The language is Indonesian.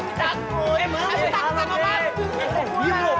abi jangan berpura pura abi takut